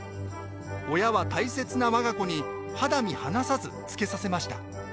親は大切なわが子に肌身離さず着けさせました。